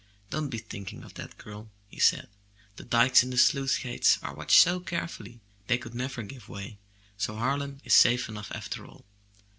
''Don't be thinking of that, girl,'' he said. 'The dikes and the sluice gates are watched so carefully, they could never give way, so Harlem is safe enough after all."